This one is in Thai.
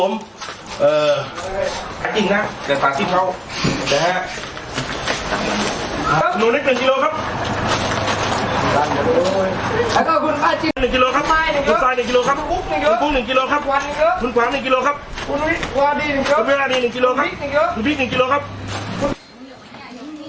มันพิษหนึ่งกิโลครับ